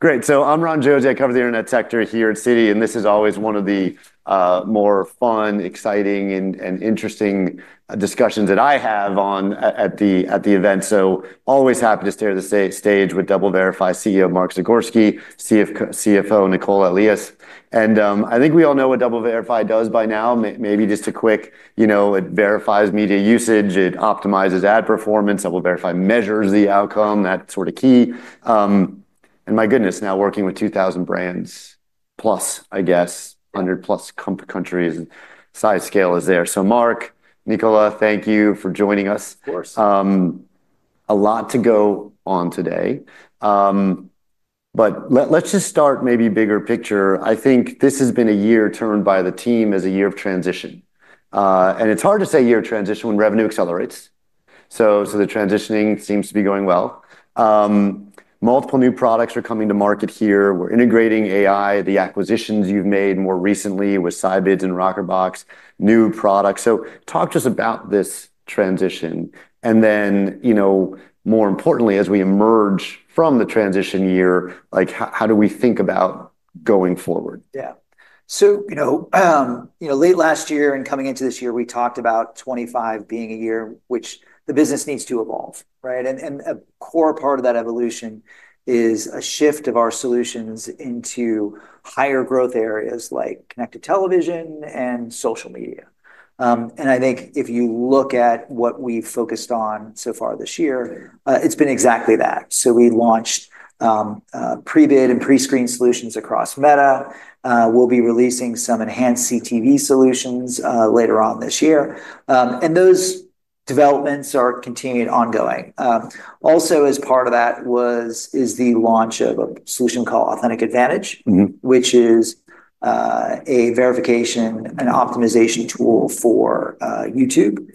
Great. I'm Ron Josey, cover the internet sector here at Citi, and this is always one of the more fun, exciting, and interesting discussions that I have at the event. Always happy to share the stage with DoubleVerify CEO Mark Zagorski and CFO Nicola Allais. I think we all know what DoubleVerify does by now. Maybe just a quick, you know, it verifies media usage, it optimizes ad performance, DoubleVerify measures the outcome, that sort of key. My goodness, now working with 2,000 brands plus, I guess, 100+ countries, size scale is there. Mark, Nicola, thank you for joining us. Of course. A lot to go on today, but let's just start maybe bigger picture. I think this has been a year termed by the team as a year of transition, and it's hard to say a year of transition when revenue accelerates. The transitioning seems to be going well. Multiple new products are coming to market here. We're integrating AI, the acquisitions you've made more recently with Scibids and Rockerbox, new products. Talk to us about this transition, and then, you know, more importantly, as we emerge from the transition year, how do we think about going forward? Yeah. Late last year and coming into this year, we talked about 2025 being a year which the business needs to evolve, right? A core part of that evolution is a shift of our solutions into higher growth areas like Connected TV and social media. I think if you look at what we've focused on so far this year, it's been exactly that. We launched pre-bid and pre-screen solutions across Meta. We'll be releasing some enhanced CTV solutions later on this year, and those developments are continued ongoing. Also, as part of that was the launch of a solution called Authentic Advantage, which is a verification and optimization tool for YouTube,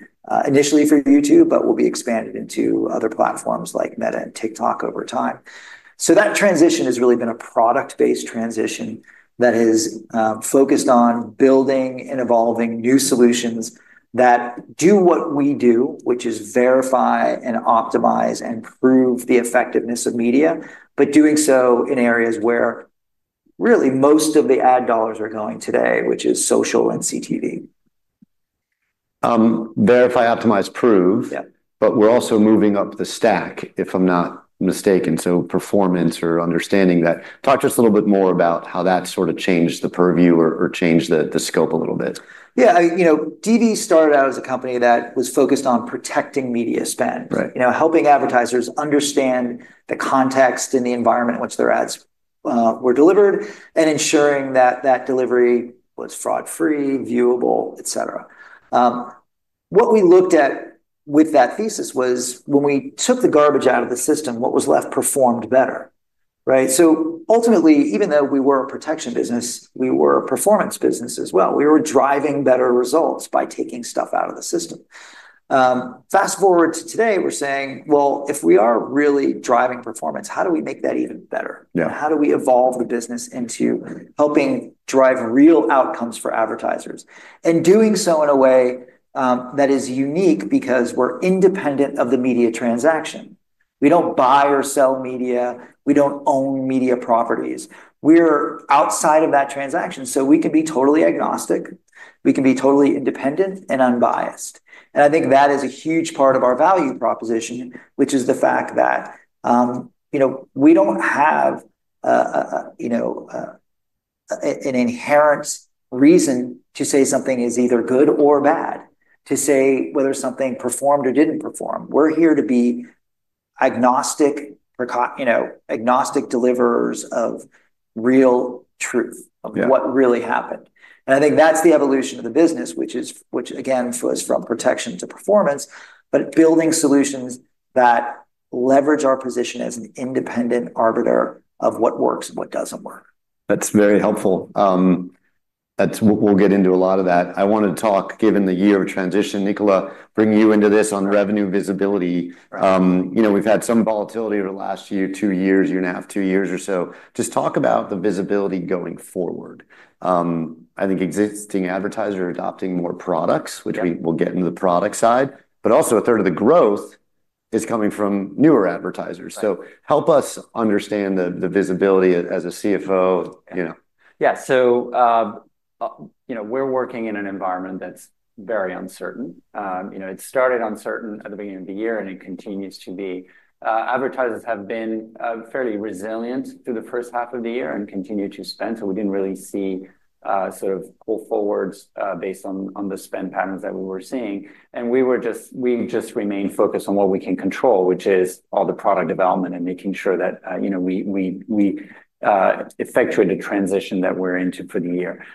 initially for YouTube, but will be expanded into other platforms like Meta and TikTok over time. That transition has really been a product-based transition that has focused on building and evolving new solutions that do what we do, which is verify and optimize and prove the effectiveness of media, but doing so in areas where really most of the ad dollars are going today, which is social and CTV. Verify, optimize, prove. Yeah. We're also moving up the stack, if I'm not mistaken. Performance or understanding that. Talk to us a little bit more about how that sort of changed the purview or changed the scope a little bit. Yeah, you know, DV started out as a company that was focused on protecting media spend, right? You know, helping advertisers understand the context and the environment in which their ads were delivered and ensuring that that delivery was fraud-free, viewable, et cetera. What we looked at with that thesis was when we took the garbage out of the system, what was left performed better, right? Ultimately, even though we were a protection business, we were a performance business as well. We were driving better results by taking stuff out of the system. Fast forward to today, we're saying, if we are really driving performance, how do we make that even better? Yeah. How do we evolve the business into helping drive real outcomes for advertisers? Doing so in a way that is unique because we're independent of the media transaction. We don't buy or sell media. We don't own media properties. We're outside of that transaction, so we can be totally agnostic. We can be totally independent and unbiased. I think that is a huge part of our value proposition, which is the fact that we don't have an inherent reason to say something is either good or bad, to say whether something performed or didn't perform. We're here to be agnostic deliverers of real truth. Okay. What really happened. I think that's the evolution of the business, which again flows from protection to performance, but building solutions that leverage our position as an independent arbiter of what works and what doesn't work. That's very helpful. That's what we'll get into, a lot of that. I wanted to talk, given the year of transition, Nicola, bring you into this on revenue visibility. You know, we've had some volatility over the last year, two years, year and a half, two years or so. Just talk about the visibility going forward. I think existing advertisers are adopting more products, which we will get into the product side, but also a third of the growth is coming from newer advertisers. Help us understand the visibility as a CFO, you know. Yeah. You know, we're working in an environment that's very uncertain. It started uncertain at the beginning of the year, and it continues to be. Advertisers have been fairly resilient through the first half of the year and continue to spend. We didn't really see pull forwards, based on the spend patterns that we were seeing. We have just remained focused on what we can control, which is all the product development and making sure that we effectuate a transition that we're into for the year.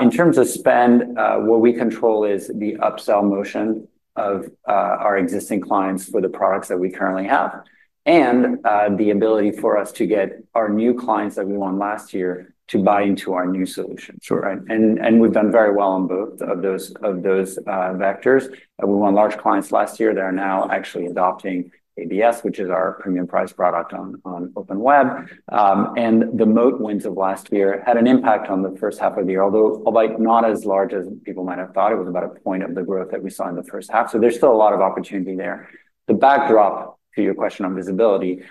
In terms of spend, what we control is the upsell motion of our existing clients for the products that we currently have, and the ability for us to get our new clients that we won last year to buy into our new solutions. Right. We've done very well on both of those vectors. We won large clients last year. They're now actually adopting ABS, which is our premium priced product on OpenWeb. The moat wins of last year had an impact on the first half of the year, although not as large as people might have thought. It was about a point of the growth that we saw in the first half. There's still a lot of opportunity there. The backdrop to your question on visibility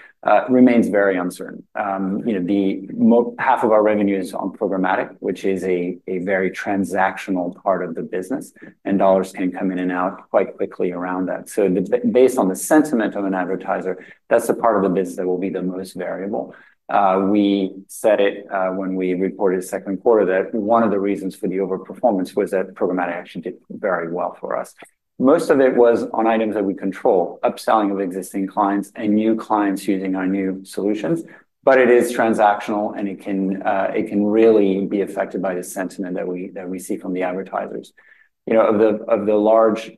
remains very uncertain. Half of our revenue is on programmatic, which is a very transactional part of the business, and dollars can come in and out quite quickly around that. Based on the sentiment of an advertiser, that's the part of the business that will be the most variable. We said when we reported the second quarter that one of the reasons for the overperformance was that programmatic actually did very well for us. Most of it was on items that we control: upselling of existing clients and new clients using our new solutions. It is transactional, and it can really be affected by the sentiment that we see from the advertisers. Of the large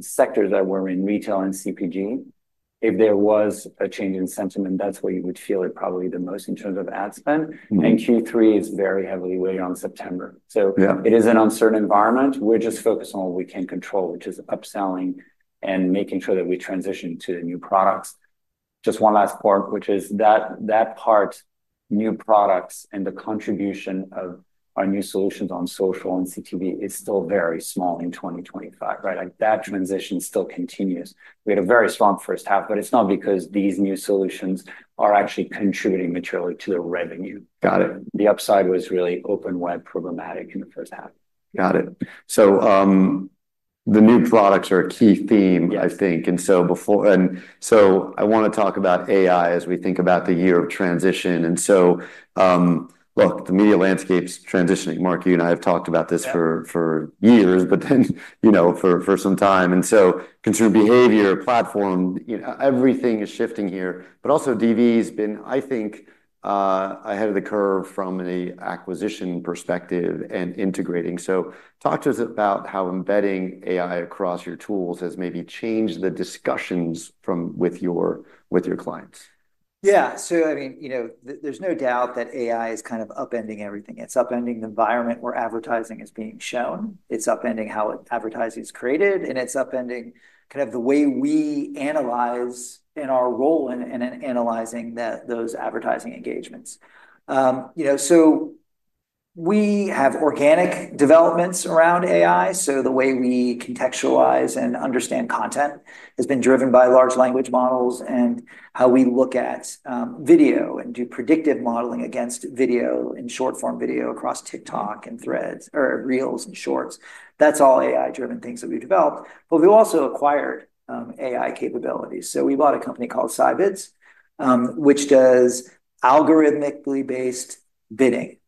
sectors that we're in, retail and CPG, if there was a change in sentiment, that's where you would feel it probably the most in terms of ad spend. Mm-hmm. Q3 is very heavily weighted on September. Yeah. It is an uncertain environment. We're just focused on what we can control, which is upselling and making sure that we transition to the new products. Just one last point, which is that part, new products, and the contribution of our new solutions on social and CTV is still very small in 2025, right? That transition still continues. We had a very strong first half, but it's not because these new solutions are actually contributing materially to the revenue. Got it. The upside was really OpenWeb programmatic in the first half. Got it. The new products are a key theme, I think. Yeah. I want to talk about AI as we think about the year of transition. The media landscape's transitioning. Mark, you and I have talked about this for years, but then, you know, for some time. Consumer behavior, platform, you know, everything is shifting here. Also, DV's been, I think, ahead of the curve from an acquisition perspective and integrating. Talk to us about how embedding AI across your tools has maybe changed the discussions with your clients. Yeah. I mean, you know, there's no doubt that AI is kind of upending everything. It's upending the environment where advertising is being shown. It's upending how advertising is created, and it's upending kind of the way we analyze in our role in analyzing those advertising engagements. We have organic developments around AI. The way we contextualize and understand content has been driven by large language models and how we look at video and do predictive modeling against video and short-form video across TikTok and threads or reels and shorts. That's all AI-driven things that we've developed. We've also acquired AI capabilities. We bought a company called Scibids, which does algorithmically based bidding,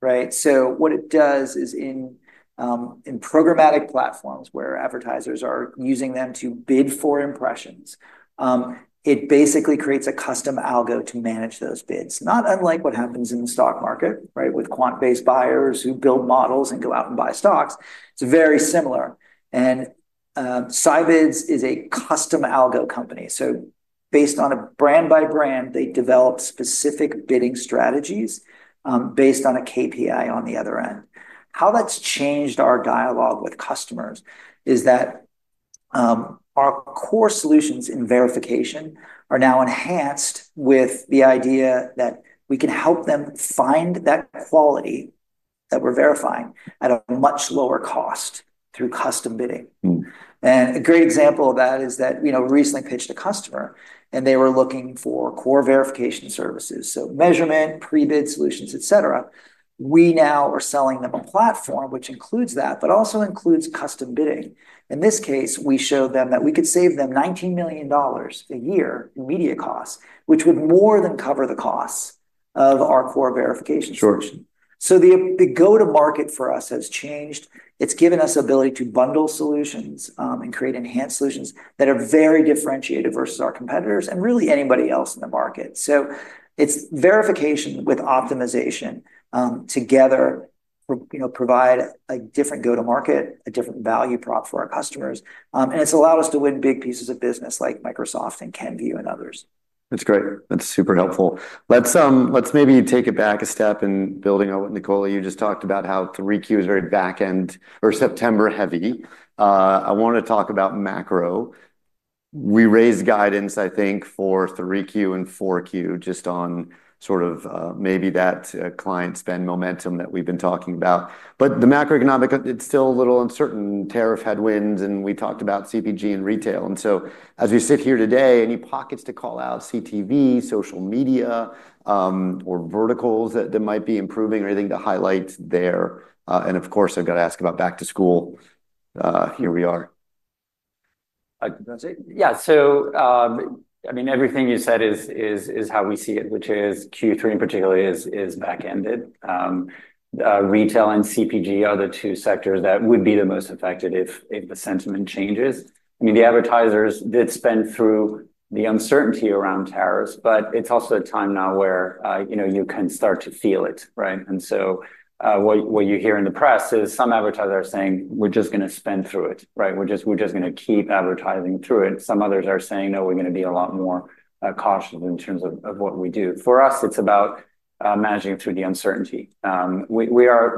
right? What it does is in programmatic platforms where advertisers are using them to bid for impressions, it basically creates a custom algo to manage those bids. Not unlike what happens in the stock market, right? With quant-based buyers who build models and go out and buy stocks, it's very similar. Scibids is a custom algo company. Based on a brand by brand, they develop specific bidding strategies based on a KPI on the other end. How that's changed our dialogue with customers is that our core solutions in verification are now enhanced with the idea that we can help them find that quality that we're verifying at a much lower cost through custom bidding. Mm-hmm. A great example of that is that we recently pitched a customer, and they were looking for core verification services—so measurement, pre-bid solutions, et cetera. We now are selling them a platform which includes that, but also includes custom bidding. In this case, we showed them that we could save them $19 million a year in media costs, which would more than cover the costs of our core verification solution. Sure. The go-to-market for us has changed. It's given us the ability to bundle solutions and create enhanced solutions that are very differentiated versus our competitors and really anybody else in the market. It's verification with optimization together, you know, provide a different go-to-market, a different value prop for our customers, and it's allowed us to win big pieces of business like Microsoft and Kenvue and others. That's great. That's super helpful. Let's maybe take it back a step, and building on what Nicola, you just talked about, how 3Q is very backend or September heavy. I want to talk about macro. We raised guidance, I think, for 3Q and 4Q just on sort of, maybe that client spend momentum that we've been talking about. The macroeconomic, it's still a little uncertain. Tariff headwinds, and we talked about CPG and retail. As we sit here today, any pockets to call out, CTV, social media, or verticals that might be improving or anything to highlight there? Of course, I've got to ask about back to school. Here we are. Yeah. Everything you said is how we see it, which is Q3 in particular is back-ended. Retail and CPG are the two sectors that would be the most affected if the sentiment changes. The advertisers did spend through the uncertainty around tariffs, but it's also a time now where you can start to feel it, right? What you hear in the press is some advertisers are saying, "We're just going to spend through it," right? We're just going to keep advertising through it. Some others are saying, "No, we're going to be a lot more cautious in terms of what we do." For us, it's about managing through the uncertainty. Retail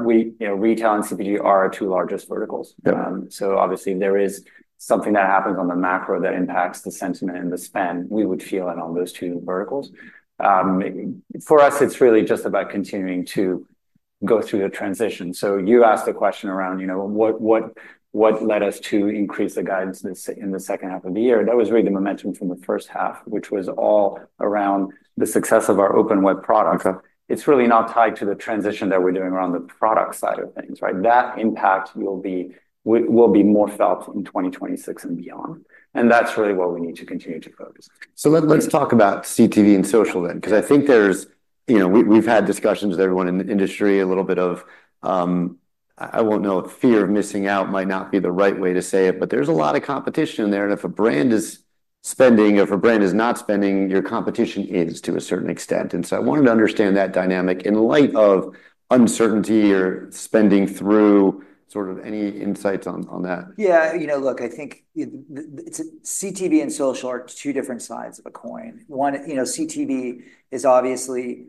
and CPG are our two largest verticals. Okay. Obviously, there is something that happens on the macro that impacts the sentiment and the spend. We would feel it on those two verticals. For us, it's really just about continuing to go through the transition. You asked a question around what led us to increase the guidance in the second half of the year. That was really the momentum from the first half, which was all around the success of our Open Web product. Okay. It's really not tied to the transition that we're doing around the product side of things, right? That impact will be more felt in 2026 and beyond. That's really what we need to continue to focus. Let's talk about CTV and social then, because I think there's, you know, we've had discussions with everyone in the industry, a little bit of, I don't know if fear of missing out might not be the right way to say it, but there's a lot of competition in there. If a brand is spending, if a brand is not spending, your competition is to a certain extent. I wanted to understand that dynamic in light of uncertainty or spending through sort of any insights on that. Yeah. You know, look, I think it's CTV and social are two different sides of a coin. One, you know, CTV is obviously,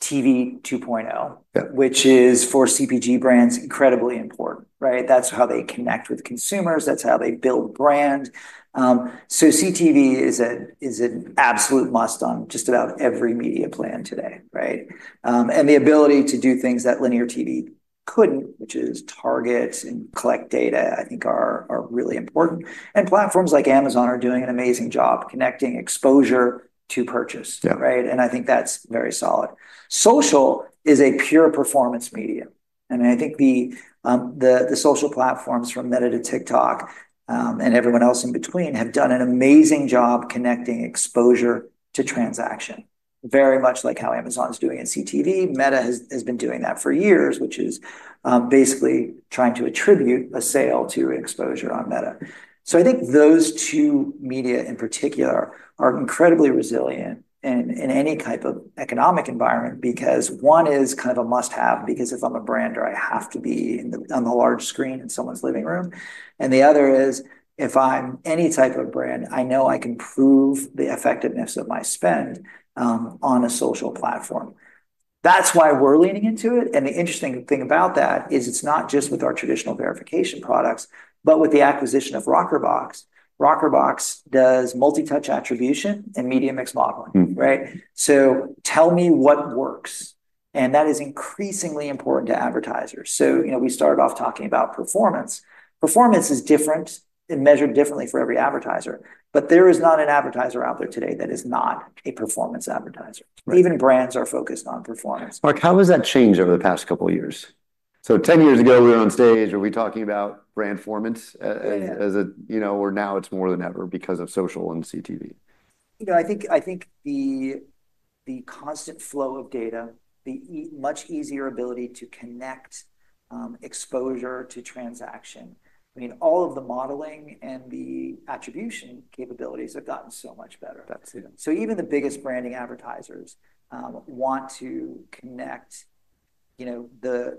TV 2.0. Yeah. Which is for CPG brands incredibly important, right? That's how they connect with consumers. That's how they build brands. CTV is an absolute must on just about every media plan today, right? The ability to do things that linear TV couldn't, which is target and collect data, I think are really important. Platforms like Amazon are doing an amazing job connecting exposure to purchase. Yeah. Right? I think that's very solid. Social is a pure performance media. I think the social platforms from Meta to TikTok, and everyone else in between, have done an amazing job connecting exposure to transaction, very much like how Amazon's doing in CTV. Meta has been doing that for years, which is basically trying to attribute a sale to an exposure on Meta. I think those two media in particular are incredibly resilient in any type of economic environment because one is kind of a must-have, because if I'm a brander, I have to be on the large screen in someone's living room. The other is if I'm any type of brand, I know I can prove the effectiveness of my spend on a social platform. That's why we're leaning into it. The interesting thing about that is it's not just with our traditional verification products, but with the acquisition of Rockerbox. Rockerbox does multi-touch attribution and media mix modeling, right? Tell me what works. That is increasingly important to advertisers. We started off talking about performance. Performance is different and measured differently for every advertiser, but there is not an advertiser out there today that is not a performance advertiser. Right. Even brands are focused on performance. Mark, how has that changed over the past couple of years? Ten years ago, we were on stage, were we talking about brand performance as a, you know, or now it's more than ever because of social and CTV? I think the constant flow of data, the much easier ability to connect, exposure to transaction. I mean, all of the modeling and the attribution capabilities have gotten so much better. That's good. Even the biggest branding advertisers want to connect the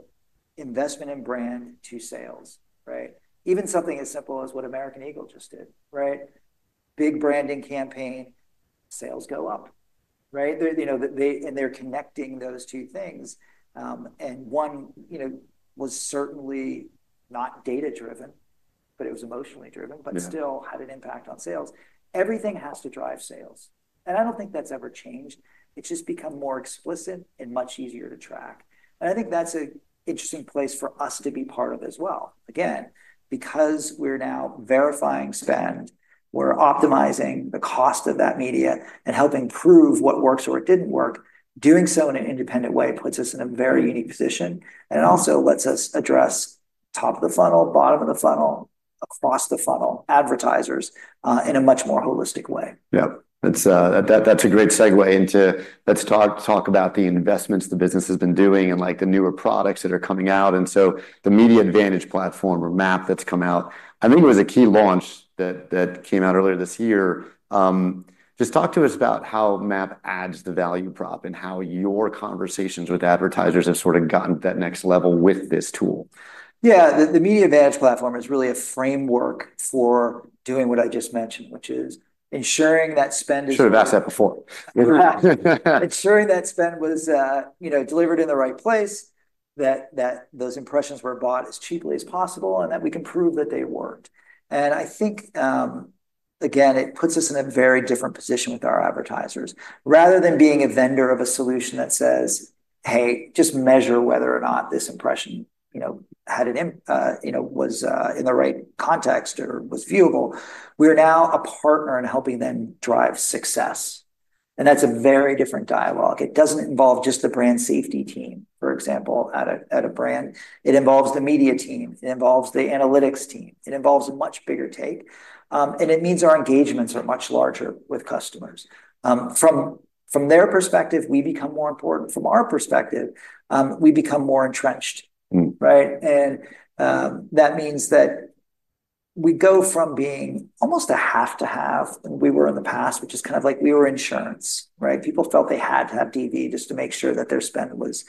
investment in brand to sales, right? Even something as simple as what American Eagle just did, right? Big branding campaign, sales go up, right? They are connecting those two things. One was certainly not data-driven, but it was emotionally driven, but still had an impact on sales. Everything has to drive sales. I don't think that's ever changed. It's just become more explicit and much easier to track. I think that's an interesting place for us to be part of as well, because we're now verifying spend, we're optimizing the cost of that media, and helping prove what works or what didn't work. Doing so in an independent way puts us in a very unique position and also lets us address top of the funnel, bottom of the funnel, across the funnel advertisers in a much more holistic way. Yeah, that's a great segue into let's talk about the investments the business has been doing and the newer products that are coming out. The Media Advantage Platform, or MAP, that's come out, I think it was a key launch that came out earlier this year. Just talk to us about how MAP adds the value prop and how your conversations with advertisers have sort of gotten to that next level with this tool. Yeah. The Media Advantage Platform is really a framework for doing what I just mentioned, which is ensuring that spend is. I should have asked that before. Ensuring that spend was delivered in the right place, that those impressions were bought as cheaply as possible, and that we can prove that they worked. I think it puts us in a very different position with our advertisers. Rather than being a vendor of a solution that says, "Hey, just measure whether or not this impression was in the right context or was viewable," we are now a partner in helping them drive success. That's a very different dialogue. It doesn't involve just the brand safety team, for example, at a brand. It involves the media team. It involves the analytics team. It involves a much bigger take, and it means our engagements are much larger with customers. From their perspective, we become more important. From our perspective, we become more entrenched, right? That means that we go from being almost a have-to-have than we were in the past, which is kind of like we were insurance, right? People felt they had to have DV just to make sure that their spend was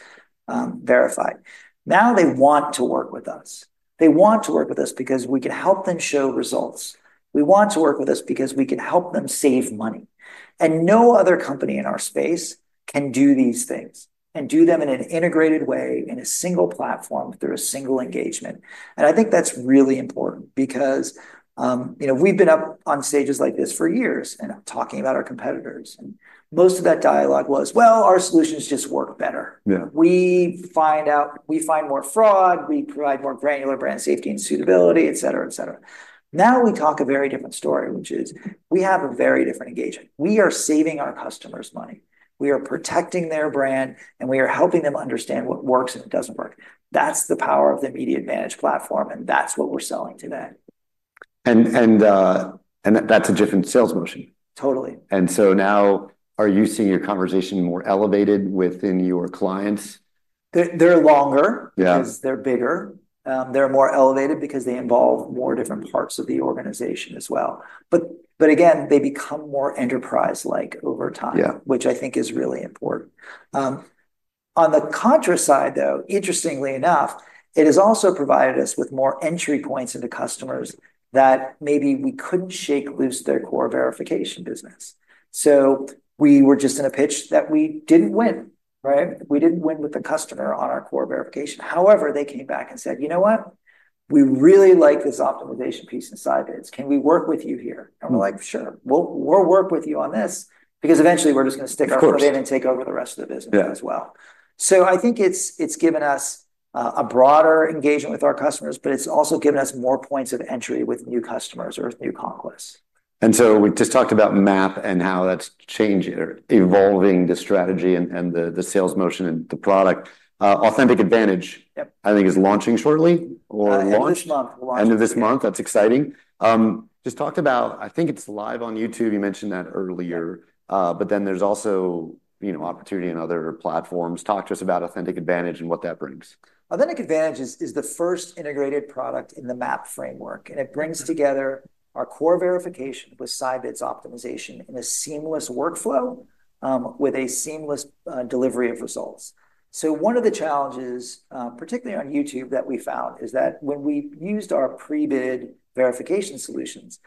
verified. Now they want to work with us. They want to work with us because we can help them show results. They want to work with us because we can help them save money. No other company in our space can do these things and do them in an integrated way, in a single platform, through a single engagement. I think that's really important because we've been up on stages like this for years and talking about our competitors. Most of that dialogue was, "Well, our solutions just work better. Yeah. We find more fraud, we provide more granular brand safety and suitability, et cetera, et cetera. Now we talk a very different story, which is we have a very different engagement. We are saving our customers money. We are protecting their brand, and we are helping them understand what works and doesn't work. That's the power of the Media Advantage Platform, and that's what we're selling today. That's a different sales motion. Totally. Are you seeing your conversation more elevated within your clients? They're longer. Yeah. Because they're bigger, they're more elevated because they involve more different parts of the organization as well. Again, they become more enterprise-like over time. Yeah. Which I think is really important. On the contrary side, though, interestingly enough, it has also provided us with more entry points into customers that maybe we couldn't shake loose their core verification business. We were just in a pitch that we didn't win, right? We didn't win with the customer on our core verification. However, they came back and said, "You know what? We really like this optimization piece in Scibids. Can we work with you here?" We're like, "Sure. We'll work with you on this because eventually we're just going to stick our foot in and take over the rest of the business as well. Yeah. I think it's given us a broader engagement with our customers, but it's also given us more points of entry with new customers or with new clients. We just talked about MAP and how that's changing or evolving the strategy, the sales motion, and the product. Authentic Advantage, I think, is launching shortly or launched. End of this month. End of this month. That's exciting. Just talk about, I think it's live on YouTube. You mentioned that earlier, but then there's also, you know, opportunity in other platforms. Talk to us about Authentic Advantage and what that brings. Authentic Advantage is the first integrated product in the MAP framework, and it brings together our core verification with Scibids optimization in a seamless workflow, with a seamless delivery of results. One of the challenges, particularly on YouTube, that we found is that when we used our pre-bid verification solutions,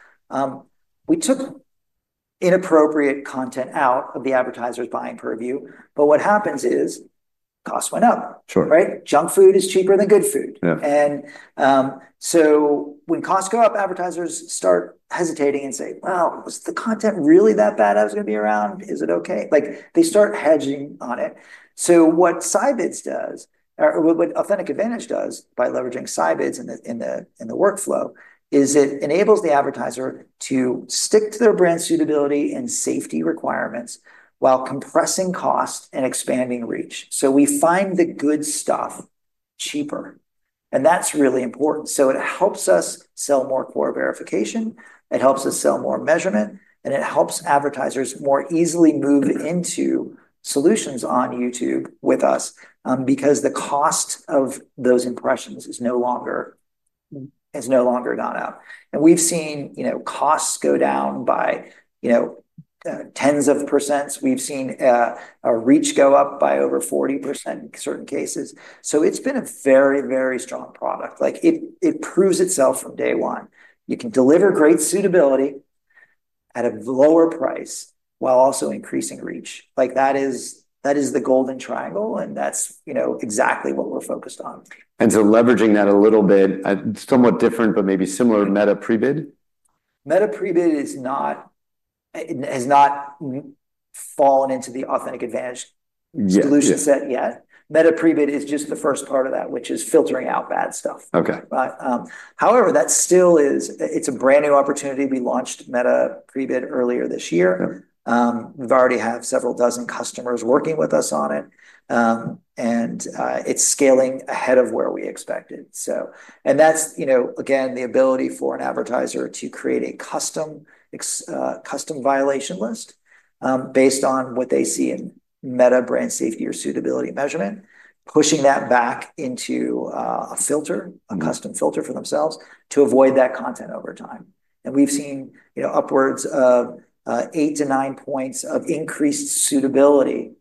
we took inappropriate content out of the advertiser's buying purview. What happens is costs went up. Sure. Right? Junk food is cheaper than good food. Yeah. When costs go up, advertisers start hesitating and say, "Was the content really that bad I was going to be around? Is it okay?" They start hedging on it. What Scibids does, or what Authentic Advantage does by leveraging Scibids in the workflow, is it enables the advertiser to stick to their brand suitability and safety requirements while compressing cost and expanding reach. We find the good stuff cheaper, and that's really important. It helps us sell more core verification. It helps us sell more measurement, and it helps advertisers more easily move into solutions on YouTube with us, because the cost of those impressions is no longer gone out. We've seen costs go down by tens of percents, and we've seen our reach go up by over 40% in certain cases. It's been a very, very strong product. It proves itself from day one. You can deliver great suitability at a lower price while also increasing reach. That is the golden triangle, and that's exactly what we're focused on. Leveraging that a little bit, somewhat different, but maybe similar to Meta Pre-Bid? Meta Pre-Bid has not fallen into the Authentic Advantage solution set yet. Yeah. Meta Pre-Bid is just the first part of that, which is filtering out bad stuff. Okay. However, that still is, it's a brand new opportunity. We launched Meta Pre-Bid earlier this year. Okay. We've already had several dozen customers working with us on it, and it's scaling ahead of where we expected. That's, you know, again, the ability for an advertiser to create a custom violation list based on what they see in Meta brand safety or suitability measurement, pushing that back into a filter, a custom filter for themselves to avoid that content over time. We've seen upwards of 8 to 9 points of increased suitability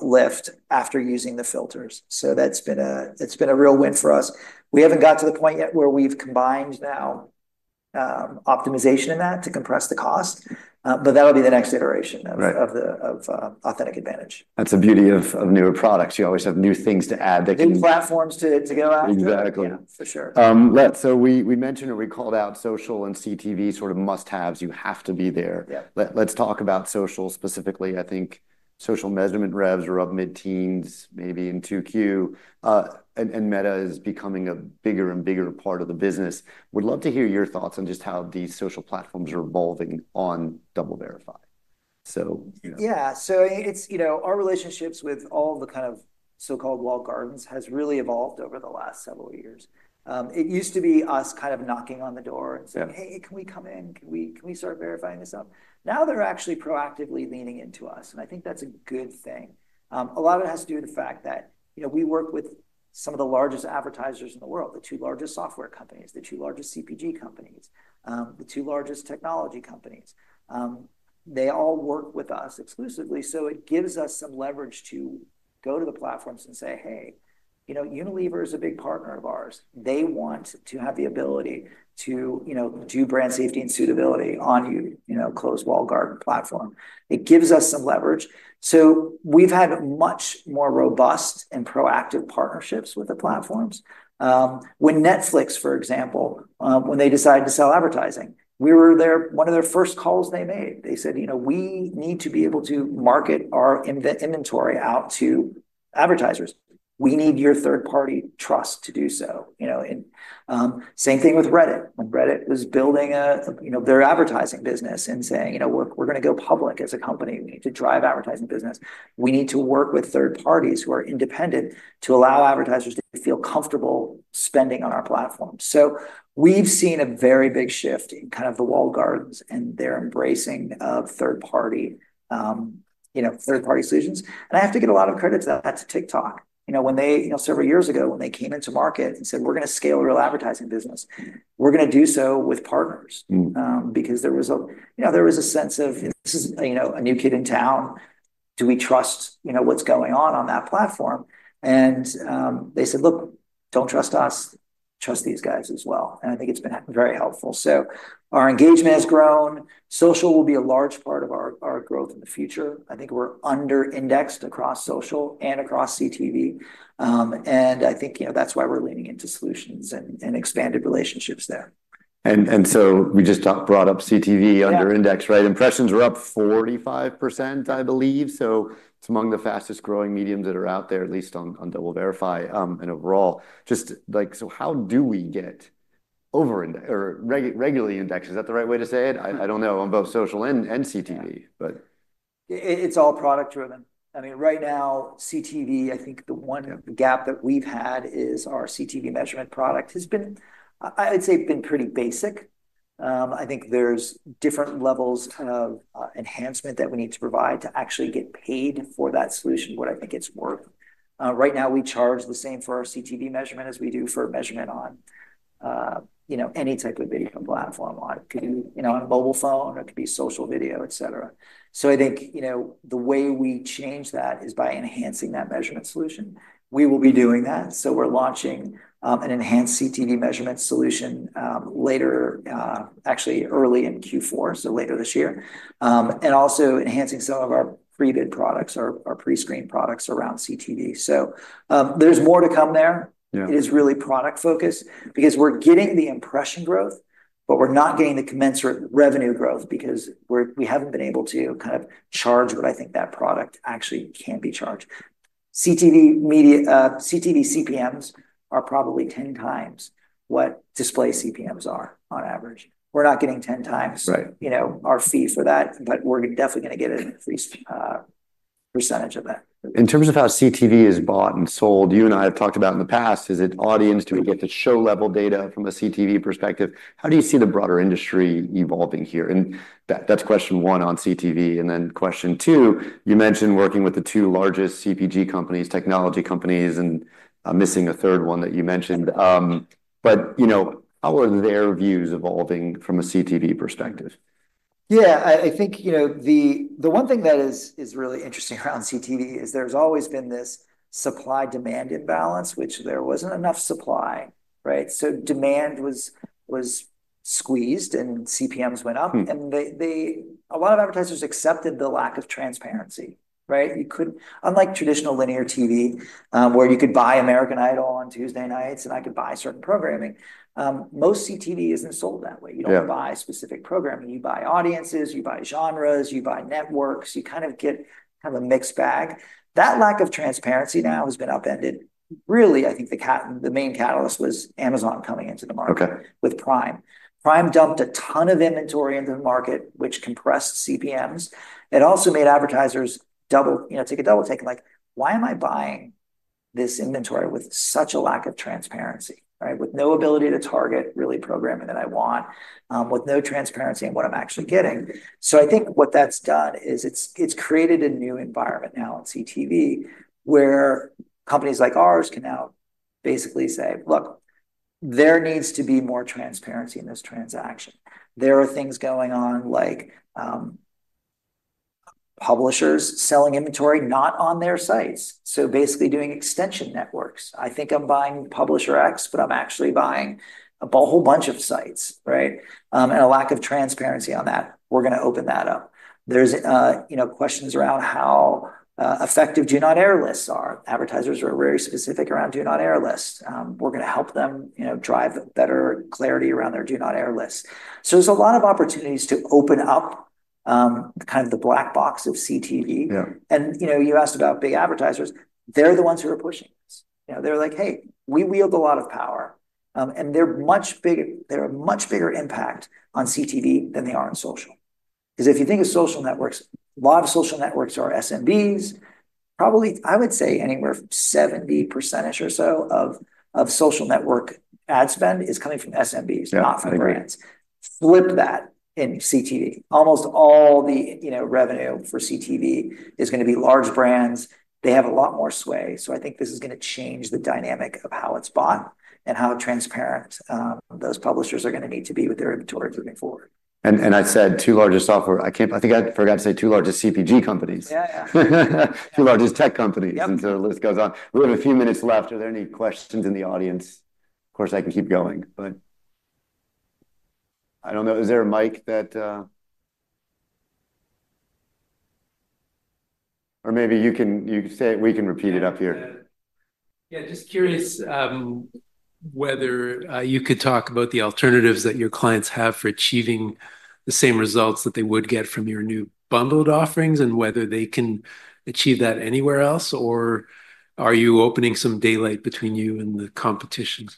lift after using the filters. That's been a real win for us. We haven't got to the point yet where we've combined optimization in that to compress the cost, but that'll be the next iteration of Authentic Advantage. That's the beauty of newer products. You always have new things to add that can. New platforms to go after. Exactly. Yeah, for sure. We mentioned or we called out social and CTV as sort of must-haves. You have to be there. Yeah. Let's talk about social specifically. I think social measurement revs are up mid-teens, maybe in 2Q, and Meta is becoming a bigger and bigger part of the business. Would love to hear your thoughts on just how these social platforms are evolving on DoubleVerify. Yeah. Our relationships with all the so-called walled gardens have really evolved over the last several years. It used to be us knocking on the door and saying, "Hey, can we come in? Can we start verifying this up?" Now they're actually proactively leaning into us, and I think that's a good thing. A lot of it has to do with the fact that we work with some of the largest advertisers in the world, the two largest software companies, the two largest CPG companies, the two largest technology companies. They all work with us exclusively, so it gives us some leverage to go to the platforms and say, "Hey, Unilever is a big partner of ours. They want to have the ability to do brand safety and suitability on your closed walled garden platform." It gives us some leverage. We've had much more robust and proactive partnerships with the platforms. When Netflix, for example, decided to sell advertising, we were there, one of the first calls they made. They said, "We need to be able to market our inventory out to advertisers. We need your third-party trust to do so." Same thing with Reddit. When Reddit was building their advertising business and saying, "We're going to go public as a company. We need to drive advertising business. We need to work with third parties who are independent to allow advertisers to feel comfortable spending on our platform." We've seen a very big shift in the walled gardens and their embracing of third-party solutions. I have to give a lot of credit for that to TikTok. Several years ago, when they came into market and said, "We're going to scale your advertising business. We're going to do so with partners. Mm-hmm. There was a sense of, "This is, you know, a new kid in town. Do we trust, you know, what's going on on that platform?" They said, "Look, don't trust us. Trust these guys as well." I think it's been very helpful. Our engagement has grown. Social will be a large part of our growth in the future. I think we're under-indexed across social and across CTV, and I think that's why we're leaning into solutions and expanded relationships there. We just brought up CTV under-index, right? Impressions were up 45%, I believe. It's among the fastest growing mediums that are out there, at least on DoubleVerify. Overall, just like, how do we get over-indexed or regularly indexed? Is that the right way to say it? I don't know on both social and CTV, but. It's all product-driven. I mean, right now, CTV, I think the one gap that we've had is our CTV measurement product has been, I'd say, been pretty basic. I think there's different levels of enhancement that we need to provide to actually get paid for that solution, what I think it's worth. Right now, we charge the same for our CTV measurement as we do for measurement on, you know, any type of video platform. It could be, you know, on a mobile phone. It could be social video, etc. I think, you know, the way we change that is by enhancing that measurement solution. We will be doing that. We're launching an enhanced CTV measurement solution early in Q4, so later this year, and also enhancing some of our pre-bid products, our pre-screen products around CTV. There's more to come there. Yeah. It is really product-focused because we're getting the impression growth, but we're not getting the commensurate revenue growth because we haven't been able to kind of charge what I think that product actually can be charged. CTV media, CTV CPMs are probably 10 times what display CPMs are on average. We're not getting 10x. Right. You know, our fee for that, but we're definitely going to get a free percentage of that. In terms of how CTV is bought and sold, you and I have talked about in the past, is it audience? Do we get the show-level data from a CTV perspective? How do you see the broader industry evolving here? That's question one on CTV. Then question two, you mentioned working with the two largest CPG companies, technology companies, and missing a third one that you mentioned. How are their views evolving from a CTV perspective? Yeah, I think the one thing that is really interesting around CTV is there's always been this supply-demand imbalance, which there wasn't enough supply, right? Demand was squeezed and CPMs went up. Mm-hmm. A lot of advertisers accepted the lack of transparency, right? You couldn't, unlike traditional linear TV, where you could buy American Idol on Tuesday nights and I could buy certain programming. Most CTV isn't sold that way. Yeah. You don't buy specific programming. You buy audiences, you buy genres, you buy networks. You get kind of a mixed bag. That lack of transparency now has been upended. I think the main catalyst was Amazon coming into the market. Okay. With Prime. Prime dumped a ton of inventory into the market, which compressed CPMs. It also made advertisers double, you know, take a double take. Like, why am I buying this inventory with such a lack of transparency, right? With no ability to target really programming that I want, with no transparency in what I'm actually getting. I think what that's done is it's created a new environment now on CTV where companies like ours can now basically say, "Look, there needs to be more transparency in this transaction. There are things going on like publishers selling inventory not on their sites." Basically doing extension networks. I think I'm buying Publisher X, but I'm actually buying a whole bunch of sites, right? And a lack of transparency on that. We're going to open that up. There's, you know, questions around how effective do not air lists are. Advertisers are very specific around do not air lists. We're going to help them, you know, drive better clarity around their do not air lists. There's a lot of opportunities to open up, kind of the black box of CTV. Yeah. You asked about big advertisers. They're the ones who are pushing this. They're like, "Hey, we wield a lot of power," and they're much bigger. They're a much bigger impact on CTV than they are on social. Because if you think of social networks, a lot of social networks are SMBs. Probably, I would say anywhere from 70% or so of social network ad spend is coming from SMBs, not from brands. Yeah. Flip that in CTV. Almost all the revenue for CTV is going to be large brands. They have a lot more sway. I think this is going to change the dynamic of how it's bought and how transparent those publishers are going to need to be with their inventory moving forward. I said two largest CPG companies. Yeah. Two largest tech companies. Yeah. The list goes on. We have a few minutes left. Are there any questions in the audience? Of course, I can keep going, but I don't know. Is there a mic, or maybe you can say it and we can repeat it up here. Yeah, just curious whether you could talk about the alternatives that your clients have for achieving the same results that they would get from your new bundled offerings, and whether they can achieve that anywhere else, or are you opening some daylight between you and the competition?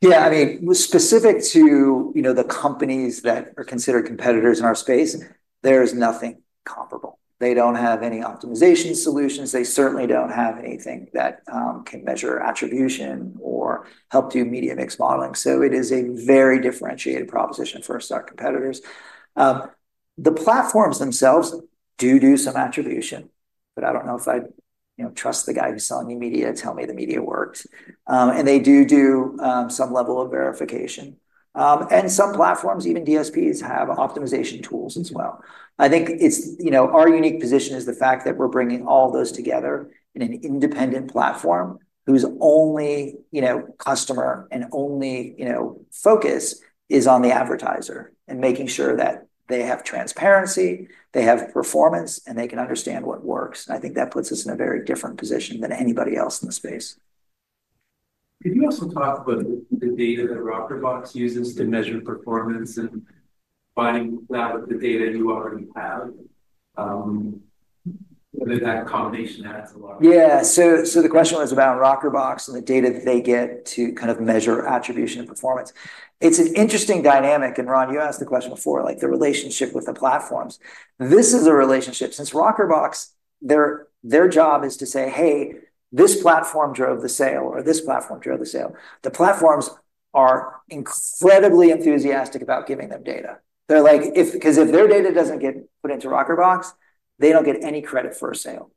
Yeah, I mean, specific to the companies that are considered competitors in our space, there's nothing comparable. They don't have any optimization solutions. They certainly don't have anything that can measure attribution or help do media mix modeling. It is a very differentiated proposition for our competitors. The platforms themselves do some attribution, but I don't know if I trust the guy who's selling you media to tell me the media works. They do some level of verification, and some platforms, even DSPs, have optimization tools as well. I think our unique position is the fact that we're bringing all those together in an independent platform whose only customer and only focus is on the advertiser and making sure that they have transparency, they have performance, and they can understand what works. I think that puts us in a very different position than anybody else in the space. If you also talk about the data that Rockerbox uses to measure performance and the data you already have, would that combination add? Yeah, so the question was about Rockerbox and the data that they get to kind of measure attribution and performance. It's an interesting dynamic, and Ron, you asked the question before, like the relationship with the platforms. This is a relationship since Rockerbox, their job is to say, "Hey, this platform drove the sale," or, "This platform drove the sale." The platforms are incredibly enthusiastic about giving them data. They're like, if their data doesn't get put into Rockerbox, they don't get any credit for a sale.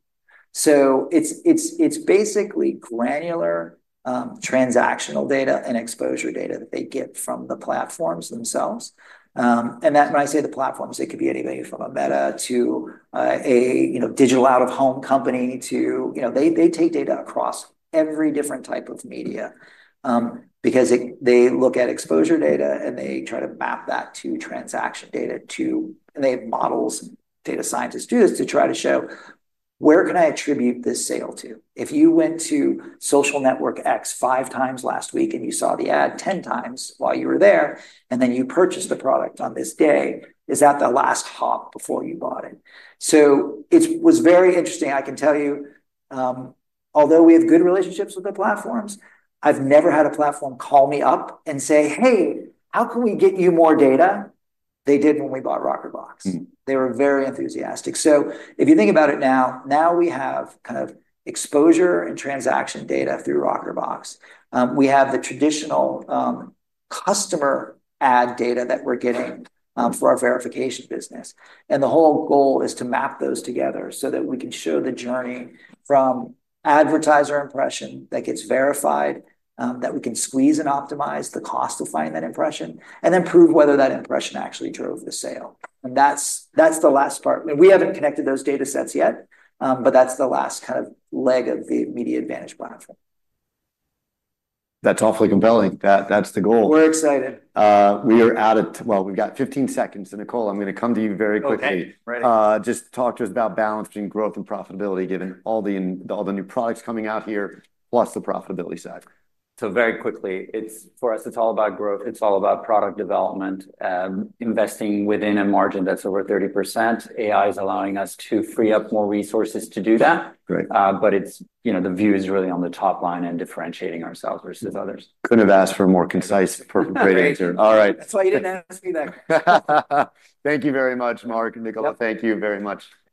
It's basically granular, transactional data and exposure data that they get from the platforms themselves. When I say the platforms, it could be anybody from a Meta to, you know, digital out-of-home company to, you know, they take data across every different type of media, because they look at exposure data and they try to map that to transaction data, and they have models, data scientists do this, to try to show where can I attribute this sale to? If you went to Social Network X 5x last week and you saw the ad 10 times while you were there, and then you purchased the product on this day, is that the last hop before you bought it? It was very interesting. I can tell you, although we have good relationships with the platforms, I've never had a platform call me up and say, "Hey, how can we get you more data?" They did when we bought Rockerbox. Mm-hmm. They were very enthusiastic. If you think about it now, we have kind of exposure and transaction data through Rockerbox. We have the traditional customer ad data that we're getting for our verification business. The whole goal is to map those together so that we can show the journey from advertiser impression that gets verified, that we can squeeze and optimize the cost of finding that impression, and then prove whether that impression actually drove the sale. That's the last part. We haven't connected those data sets yet, but that's the last kind of leg of the Media Advantage Platform. That's awfully compelling. That's the goal. We're excited. We are out at, we've got 15 seconds. Nicola, I'm going to come to you very quickly. Right, right. Just talk to us about balancing growth and profitability, given all the new products coming out here, plus the profitability side. It's all about growth. It's all about product development, investing within a margin that's over 30%. AI is allowing us to free up more resources to do that. Right. It's, you know, the view is really on the top line and differentiating ourselves versus others. Couldn't have asked for a more concise, appropriate answer. Yeah. All right. That's why you didn't ask me that. Thank you very much, Mark and Nicola. Yeah. Thank you very much. All right.